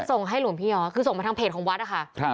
ส่งให้หลวงพี่อ๋อคือส่งมาทางเพจของวัดนะคะ